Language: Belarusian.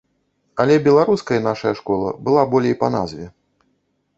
Але беларускай нашая школа была болей па назве.